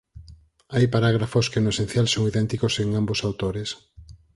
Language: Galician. Hai parágrafos que no esencial son idénticos en ambos autores.